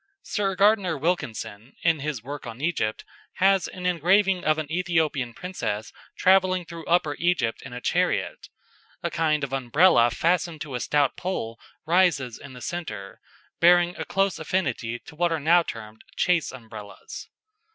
Sir Gardner Wilkinson, in his work on Egypt, has, an engraving of an Ethiopian princess travelling through Upper Egypt in a chariot; a kind of Umbrella fastened to a stout pole rises in the centre, bearing a close affinity to what are now termed chaise Umbrellas.